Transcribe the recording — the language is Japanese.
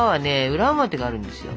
裏表があるんですよ。